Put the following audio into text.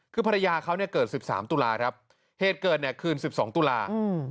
คือภรรยาเขาเนี่ยเกิด๑๓ตุลาครับเหตุเกิดเนี่ยคืน๑๒ตุลา